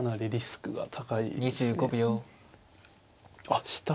あっ下。